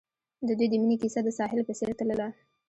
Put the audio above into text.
د دوی د مینې کیسه د ساحل په څېر تلله.